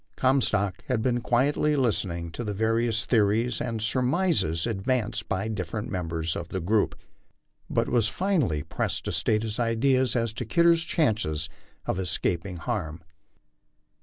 Comstock had been quietly listening to the various theories and surmises advanced by different members of the group, but was finally pressed to state his ideas as to Kidder's chances of escaping harm.